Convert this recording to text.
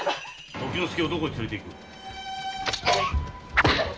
時之介をどこへ連れていく？